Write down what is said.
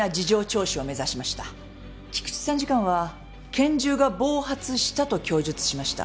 菊池参事官は拳銃が暴発したと供述しました。